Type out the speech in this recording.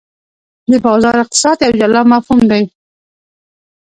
د بازار اقتصاد یو جلا مفهوم دی.